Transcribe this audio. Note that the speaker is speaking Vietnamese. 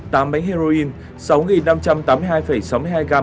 tạm bánh heroin sáu năm trăm tám mươi hai sáu mươi hai gamma tuyến